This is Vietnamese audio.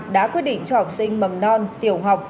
đã quyết định cho học sinh mầm non tiểu học